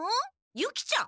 ユキちゃん！？